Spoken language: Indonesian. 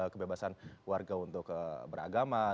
kebebasan warga untuk beragama